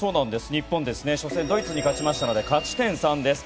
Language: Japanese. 日本、初戦ドイツに勝ちましたので勝ち点３です。